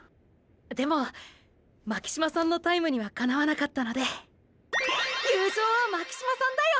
でも巻島さんのタイムにはかなわなかったので優勝は巻島さんだよ。